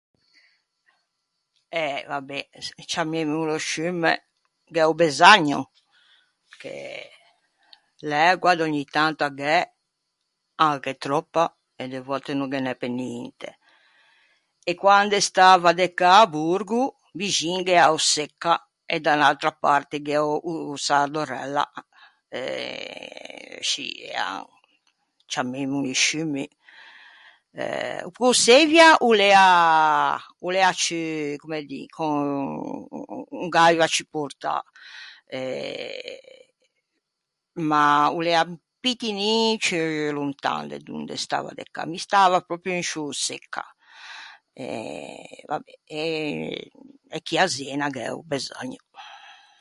Eh vabé, ciammemmolo sciumme... gh'é o Besagno, che, l'ægua d'ògni tanto a gh'é, anche tròppa, e de vòtte no ghe n'é pe ninte. E quande stava de cà à Borgo, vixin gh'ea o Secca, e da unn'atra parte gh'ea o Sardorella eh scì, ean... ciammemmoli sciummi. Eh, o Ponçeivia o l'ea, o l'ea ciù, comme dî, con, o gh'aiva ciù portâ... e... ma, o l'ea un pittinin ciù lontan de donde stava de cà, mi stava pròpio in sciô Secca. Eh, vabé, e chì à Zena gh'é o Besagno.